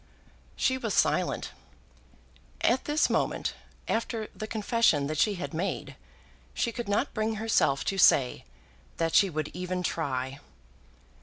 She was silent. At this moment, after the confession that she had made, she could not bring herself to say that she would even try.